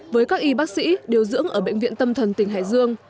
với các y bác sĩ điều dưỡng ở bệnh viện tâm thần tỉnh hải dương